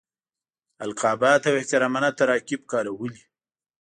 القابات او احترامانه تراکیب کارولي.